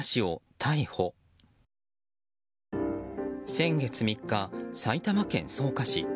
先月３日、埼玉県草加市。